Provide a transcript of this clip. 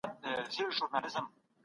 څېړونکی به د موضوع لپاره نوي لاري لټوي.